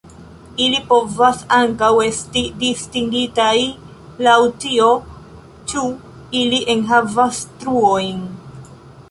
Ili povas ankaŭ esti distingitaj laŭ tio ĉu ili enhavas truojn.